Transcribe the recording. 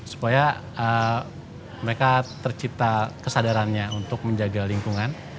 supaya mereka tercipta kesadarannya untuk menjaga lingkungan